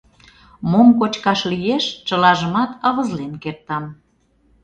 Мом кочкаш лиеш, чылажымат авызлен кертам.